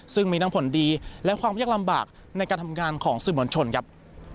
ซึ่งมีทั้งผลดีและความยากลำบากในการทำงานของสื่อมวลชนครับ